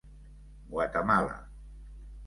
Guatemala.